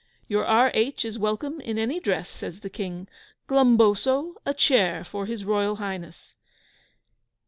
"Your R. H. is welcome in any dress," says the King. "Glumboso, a chair for his Royal Highness."